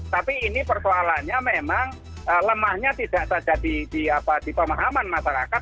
tapi ini persoalannya memang lemahnya tidak saja di pemahaman masyarakat